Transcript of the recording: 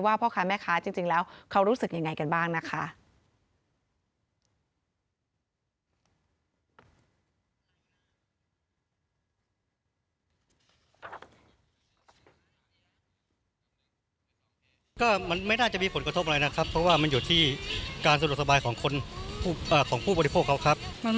พ่อค้าแม่ค้าจริงแล้วเขารู้สึกยังไงกันบ้างนะคะ